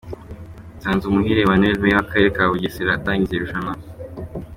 Nsanzumuhire Emmanuel Meya w'Akarere ka Bugesera atangiza irushanwa.